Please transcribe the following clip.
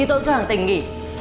tôi cũng cho thằng tình nghỉ